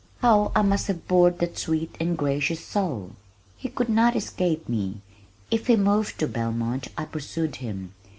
How I must have bored that sweet and gracious soul! He could not escape me. If he moved to Belmont I pursued him.